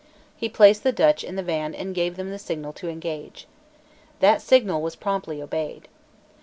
He placed the Dutch in the van and gave them the signal to engage. That signal was promptly obeyed.